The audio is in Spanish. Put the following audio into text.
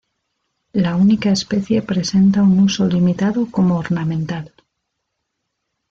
La única especie presenta un uso limitado como ornamental.